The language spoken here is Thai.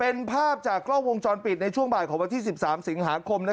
เป็นภาพจากกล้องวงจรปิดในช่วงบ่ายของวันที่๑๓สิงหาคม